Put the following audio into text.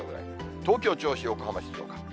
東京、銚子、横浜、静岡。